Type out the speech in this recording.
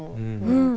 うん。